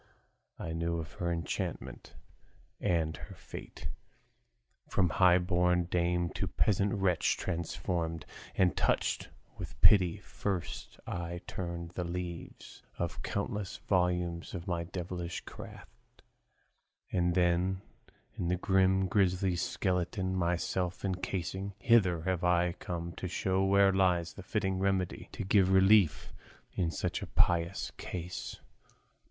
I knew of her enchantment and her fate, From high born dame to peasant wench transformed And touched with pity, first I turned the leaves Of countless volumes of my devilish craft, And then, in this grim grisly skeleton Myself encasing, hither have I come To show where lies the fitting remedy To give relief in such a piteous case.